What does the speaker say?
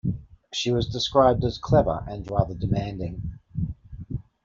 She was described as clever and rather demanding.